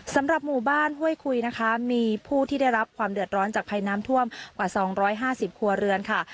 สำหรับหมู่บ้านห้วยคุยนะคะมีผู้ที่ได้รับความเดือดร้อนจากภัยน้ำท่วมกว่า๒๕๐ครัวเรือนค่ะ